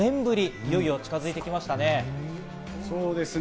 いよいよ近づいてきましたね。